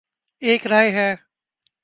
ایک رائے ہے